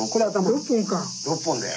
６本だよ。